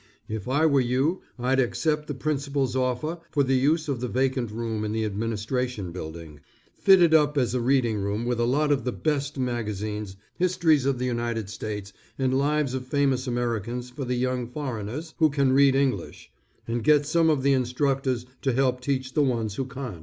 If I were you, I'd accept the principal's offer for the use of the vacant room in the Administration Building. Fit it up as a reading room with a lot of the best magazines, histories of the United States, and lives of famous Americans for the young foreigners who can read English, and get some of the instructors to help teach the ones who can't.